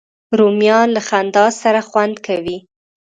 رومیان له خندا سره خوند کوي